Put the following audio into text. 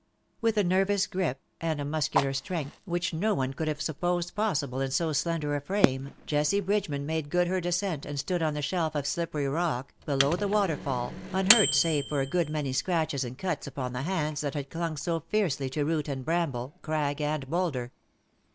^' AVith a nervous grip, and a muscular strength 54 DUEL OR MURDER? which no one could have supposed possible in so slender a frame, Jessie Bridgeman made good her descent, and stood on the shelf of slippery rock, below the waterfall, unhurt save for a good many scratches and cuts upon the hands that had clung so fiercely to root and bramble, crag and boulder.